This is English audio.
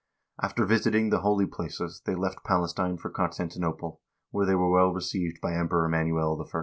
After visiting the holy places they left Palestine for Constantinople, where they were well received by Emperor Manuel I.